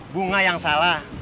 bunga yang salah